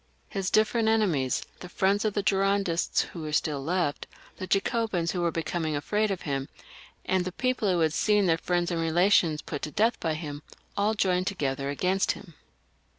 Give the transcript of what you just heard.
His different enemies, the friends of the Girondists who were still left, the Jacobins* who were becoming afraid of him, and the people who had seen their friends and relations put to death by him, aU joined together against him.